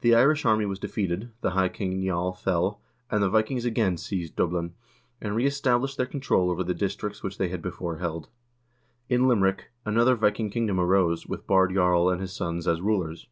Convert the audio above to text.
The Irish army was defeated, the high king, Niall, fell, and the Vikings again seized Dublin, and reestablished their control over the districts which they had before held. In Limerick another Viking kingdom arose, with Baard Jarl and his sons as rulers.